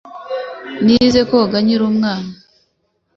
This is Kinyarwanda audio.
Nize koga nkiri umwana.